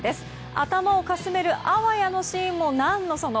頭をかすめるあわやのシーンも何のその。